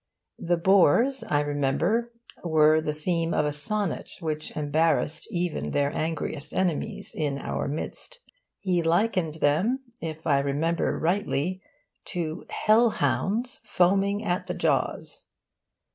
The Boers, I remember, were the theme of a sonnet which embarrassed even their angriest enemies in our midst. He likened them, if I remember rightly, to 'hell hounds foaming at the jaws.